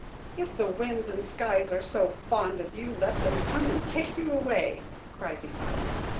"If the winds and the skies are so fond of you, let them come and take you away," cried the Ice.